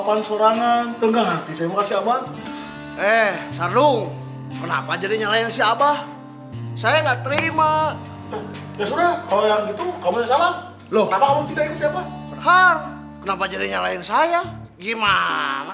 kamu jangan nyari siapa yang salah sudah jelas yang salah